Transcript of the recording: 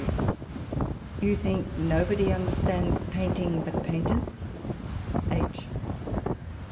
W. Do you think nobody under stands painting but painters I H. Oh